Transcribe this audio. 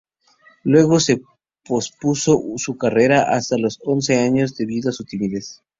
Luego se pospuso su carrera hasta los once años debido a su timidez.